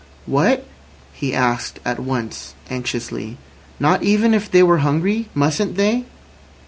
"What?" he asked at once anxiously. "Not even if they were hungry? Mustn't they?"